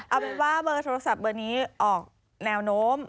เอาเป็นว่าเบอร์โทรศัพท์เบอร์นี้ออกแนวโน้ม